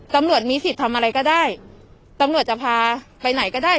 ตำรวจมีสิทธิ์ทำอะไรก็ได้ตำรวจจะพาไปไหนก็ได้